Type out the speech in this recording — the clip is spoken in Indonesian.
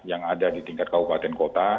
yang ada di tingkat kabupaten kota